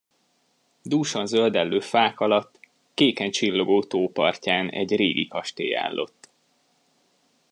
Dúsan zöldellő fák alatt, kéken csillogó tó partján egy régi kastély állott.